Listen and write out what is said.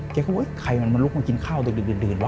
เก่งว่าโอ๊ยใครมันมันลุกมากินข้าวดึกดื่นวะ